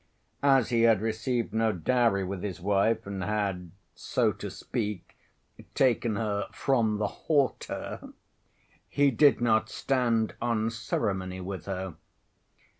As he had received no dowry with his wife, and had, so to speak, taken her "from the halter," he did not stand on ceremony with her.